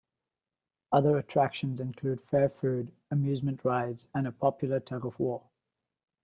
Other attractions include fair food, amusement rides, and a popular tug-of-war.